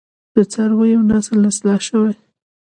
د څارویو نسل اصلاح شوی؟